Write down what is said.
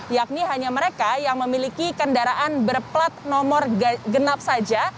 yakni hanya mereka yang memiliki kendaraan berplat nomor genap saja